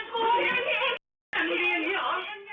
หนุ่มรายเดอร์คนนี้เขาบอกว่าขอพื้นที่ให้กับเขาในสังคมด้วย